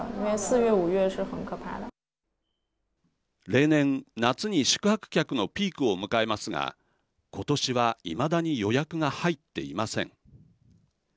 例年、夏に宿泊客のピークを迎えますがことしは、いまだに予約が入っていません。